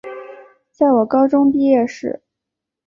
在我高中毕业时